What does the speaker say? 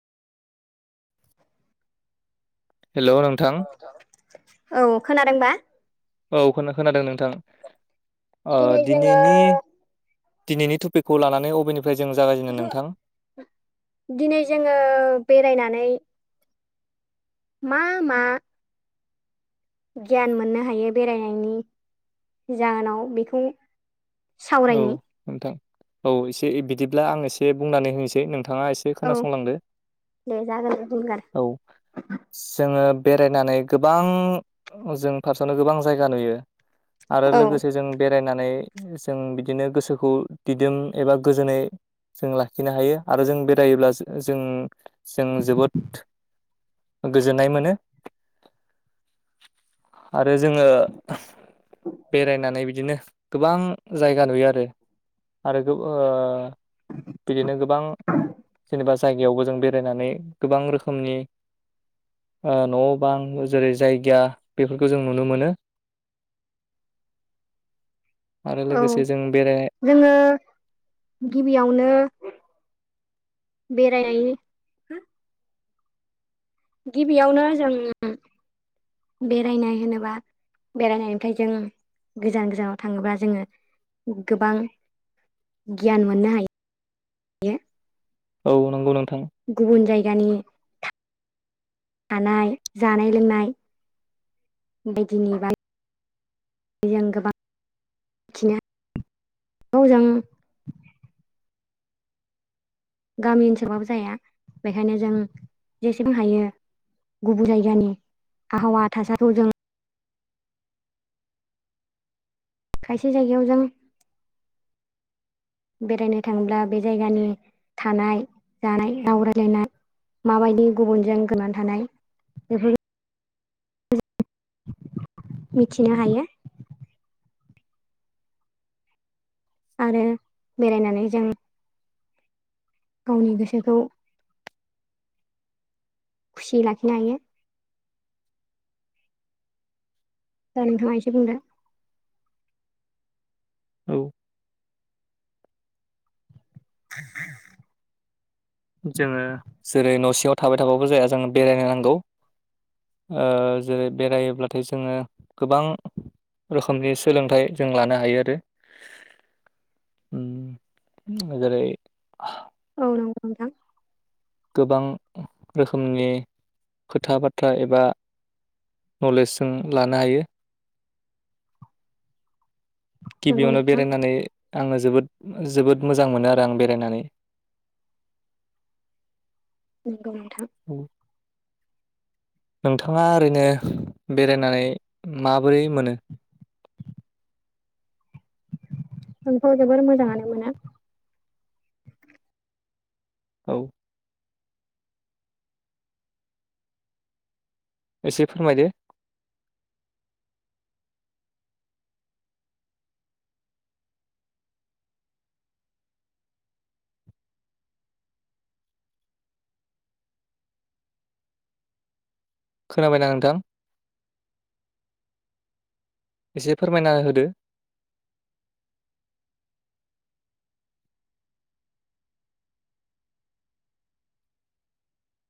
हेल' नोंथां। औ खोनादोंबा औ खो खोनादों नोंथां ओ दिनै जोङो दिनैनि दिनैनि टपिकखौ लानानै अबेनि दिनै जोङो बेरायनानै। मा मा? गियान मोननो हायो बेरायनायनि जाहोनाव बेखौ। औ सावरायनि नोंथां औ एसे बिदिब्ला आं एसे बुंनानै होनोसै नों थाङा एसे औ खोनासंलांदो दे जागोन बुंगोन औ जोङो बेरायनानै गोबां जों फार्सआवनो गोबां जायगा नुयो। आरो औ लोगोसे जों बेरायनानै जों बिदिनो गोसोखौ दिदोम एबा गोजोनै जों लाखिनो हायो आरो जों बेरायोब्ला जों जों जोबोद गोजोननाय मोनो आरो जोङो। बेरायनानै बिदिनो गोबां जायगा नुयो आरो। आरो ओ बिदिनो गोबां जेनेबा जायगायावबो जों बेरायनानै गोबां रोखोमनि ओ न' बां जेरै जायगा बेफोरखौ जों नुनो मोनो। आरो औ लोगोसे जों बेराय जोङो गिबियावनो बेरायनाय गिबियावनो जों बेरायनाय होनोबा। बेरायनायनिफ्राय जों गोजान गोजानाव थाङोब्ला जोङो गोबां। गियान मोननो हायो। औ नंगौ नोंथां गुबुन जायगानि थानाय जानाय लोंनाय बायदिनि बा आं गोबां मिथिनो औ जों गामि ओनसोलबाबो जाया बेखायनो जों जेसेबां हायो गुबुन जायगानि आबहावा थासारिखौ जों खायसे जायगायाव जों [inaudible] बेरायनो थाङोब्ला बे जायगानि थानाय जानाय राव रायलायनाय माबायदि गुबुनजों गोरोबनानै थानाय बेफोर मिथिनो हायो आरो बेरायनानै जों गावनि गोसोखौ खुसि लाखिनो हायो दा नोंथाङा एसे बुंदो औ [inaudible] जोङो जेरै न' सिङाव थाबाय थाबाबो जाया जों बेरायनो नांगौ ओ जेरै बेरायोब्लाथाय जोङो गोबां रोखोमनि सोलोंथाइ जों लानो हायो आरो ओम जेरै औ नंगौ नोंथां गोबां रोखोमनि खोथा बाथ्रा एबा नलेजजों लानो हायो नंगौ गिबियावनो नोंथां बेरायनानै आङो जोबोद जोबोद मोजां मोनो आरो आं बेरायनानै [unintelligible] औ नोंथाङा ओरैनो बेरायनानै माबोरै मोनो? आंथ' जोबोर मोजाङानो मोनो। औ एसे फोरमायदो खोनाबाय ना नोंथां एसे फोरमायना होदो [inaudible]